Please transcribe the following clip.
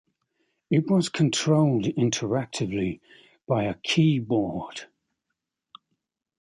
It was controlled interactively by a keyboard.